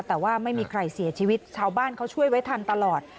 แต่ว่าไม่มีใครเสียชีวิตชาวบ้านเขาช่วยไว้ทันตลอด